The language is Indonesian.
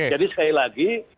jadi sekali lagi